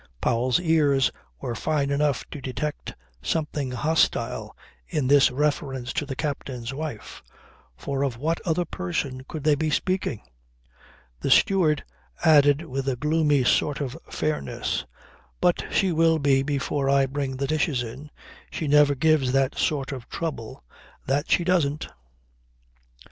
Powell's ears were fine enough to detect something hostile in this reference to the captain's wife. For of what other person could they be speaking? The steward added with a gloomy sort of fairness: "But she will be before I bring the dishes in. She never gives that sort of trouble. That she doesn't."